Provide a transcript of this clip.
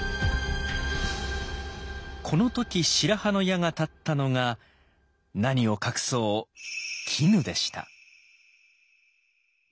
この時白羽の矢が立ったのが何を隠そう「絹」でした。